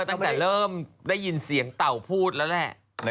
ตั้งแต่เริ่มได้ยินเสียงเต่าพูดแล้วแหละ